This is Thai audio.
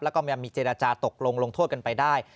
แล้วก็มีเจรจาตกลงลงโทษกันไปได้